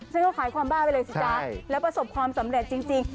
ฉันก็ขายความบ้าไปเลยสิจ๊ะแล้วประสบความสำเร็จจริง